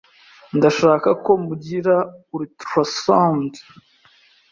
Ndashaka ko mugira ultrasound.